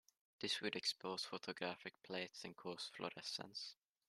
This would expose photographic plates and cause fluorescence.